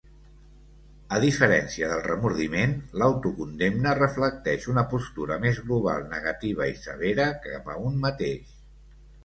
A diferència del remordiment, l'autocondemna reflecteix una postura més global, negativa i servera cap a un mateix.